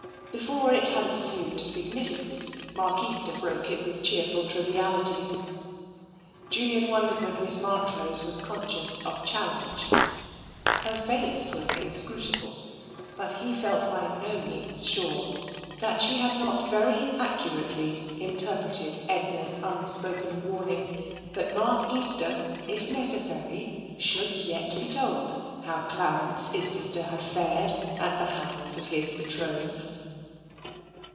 Before it had assumed significance, Mark Easter broke it with cheerful trivialities. Julian wondered whether Miss Marchrose was con scious of challenge. Her face was inscrutable, but he felt by no means sure that she had not very accurately interpreted Edna's unspoken warning that Mark Easter, if nec essary, should yet be told how Clarence Isbister had fared at the hands of his betrothed.